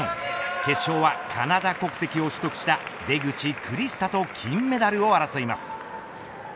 決勝はカナダ国籍を取得した出口クリスタと金メダルを争います。